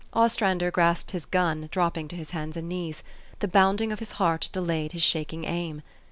Ostrander grasped his gun, dropping to his hands and knees. The bounding of his heart de layed his shaking aim.